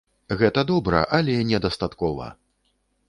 Гэта добра, але недастаткова!